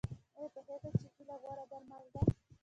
ایا پوهیږئ چې هیله غوره درمل ده؟